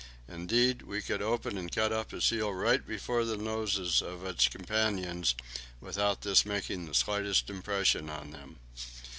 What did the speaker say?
Indeed, we could open and cut up a seal right before the noses of its companions without this making the slightest impression on them.